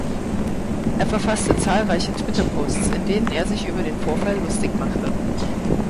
Er verfasste zahlreiche Twitter-Posts, in denen er sich über den Vorfall lustig machte.